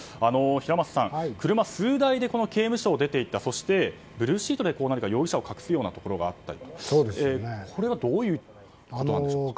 平松さん、車数台で刑務所を出ていったそして、ブルーシートで容疑者を隠すところがあったりとこれはどういうことなんでしょうか。